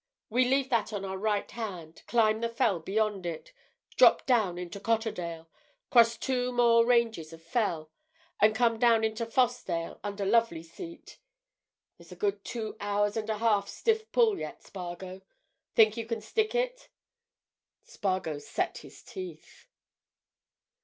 We leave that on our right hand, climb the fell beyond it, drop down into Cotterdale, cross two more ranges of fell, and come down into Fossdale under Lovely Seat. There's a good two hours and a half stiff pull yet, Spargo. Think you can stick it?" Spargo set his teeth.